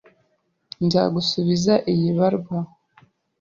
Nzagusubiza iyi baruwa?